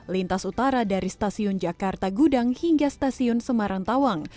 lintas utara dari stasiun jakarta gudang hingga stasiun semarang tawang